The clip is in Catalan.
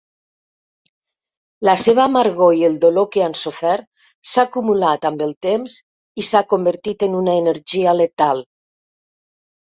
La seva amargor i el dolor que han sofert s'ha acumulat amb el temps i s'ha convertit en una energia letal.